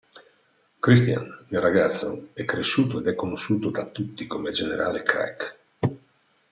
Christian, il ragazzo, è cresciuto ed è conosciuto da tutti come generale Crack.